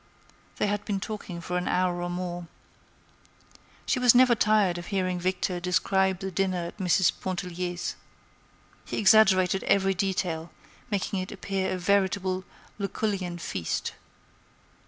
They had been talking for an hour or more. She was never tired of hearing Victor describe the dinner at Mrs. Pontellier's. He exaggerated every detail, making it appear a veritable Lucullean feast.